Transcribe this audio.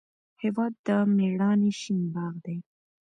هېواد د میړانې شین باغ دی.